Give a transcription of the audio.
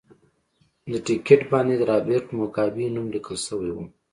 د ټکټ باندې د رابرټ موګابي نوم لیکل شوی و.